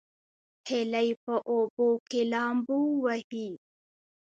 هیلۍ په اوبو کې لامبو وهي